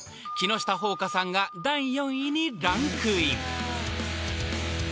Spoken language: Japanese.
［木下ほうかさんが第４位にランクイン］